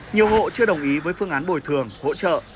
nhiều hộ chưa đồng ý với phương án bồi thường hỗ trợ